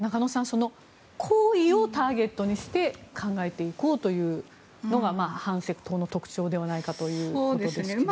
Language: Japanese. その行為をターゲットにして考えていこうというのが反セクト法の特徴ではないかということですが。